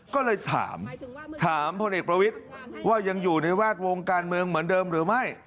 ก็เลยถามถามพลเอกประวิทย์ว่ายังอยู่ในแวดวงการเมืองเหมือนเดิมหรือไม่